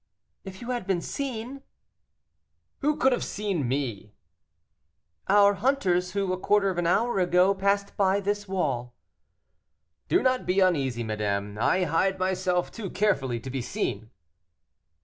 "If you had been seen?" "Who could have seen me?" "Our hunters, who, a quarter of an hour ago, passed by this wall." "Do not be uneasy, madame, I hide myself too carefully to be seen."